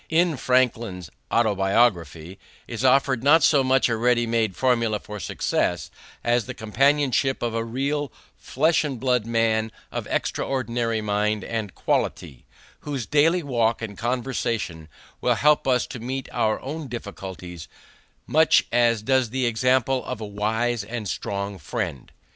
In Franklin's Autobiography is offered not so much a ready made formula for success, as the companionship of a real flesh and blood man of extraordinary mind and quality, whose daily walk and conversation will help us to meet our own difficulties, much as does the example of a wise and strong friend.